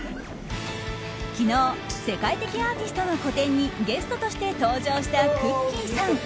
昨日、世界的アーティストの個展にゲストとして登場したくっきー！さん。